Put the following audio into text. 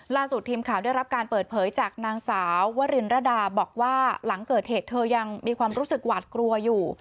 ทีมข่าวได้รับการเปิดเผยจากนางสาววรินรดาบอกว่าหลังเกิดเหตุเธอยังมีความรู้สึกหวาดกลัวอยู่